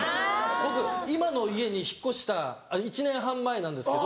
僕今の家に引っ越した１年半前なんですけど。